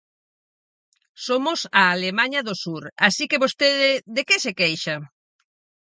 Somos a Alemaña do sur así que vostede de que se queixa?